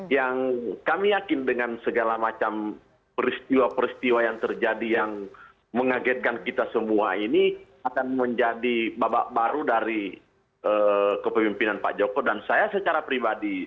dan kami yakin dengan segala macam peristiwa peristiwa yang terjadi yang mengagetkan kita semua ini akan menjadi babak baru dari kepemimpinan pak joko dan saya secara pribadi